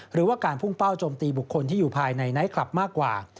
หรือว่าการพุ่งเป้าโจมตีบุคคลที่อยู่ภายในไนท์คลับมากกว่า